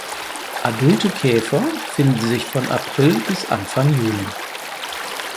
Adulte Käfer finden sich von April bis Anfang Juni.